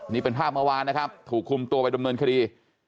นี่เป็นภาพเมื่อวานนะครับถูกคุมตัวไปดำเนินคดี